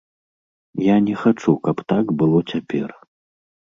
Я не хачу, каб так было цяпер.